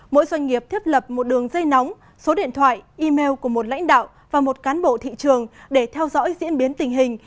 mỗi doanh nghiệp thiết lập một đường dây nóng số điện thoại email của một lãnh đạo và một cán bộ thị trường để theo dõi diễn biến tình hình